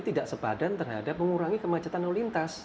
tidak sepadan terhadap mengurangi kemacetan lalu lintas